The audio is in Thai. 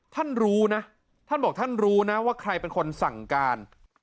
ท่านรู้นะท่านบอกท่านรู้นะว่าใครเป็นคนสั่งการ